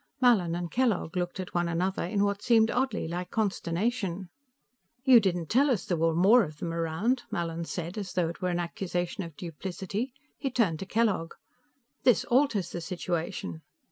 Mallin and Kellogg looked at one another in what seemed oddly like consternation. "You didn't tell us there were more of them around," Mallin said, as though it were an accusation of duplicity. He turned to Kellogg. "This alters the situation."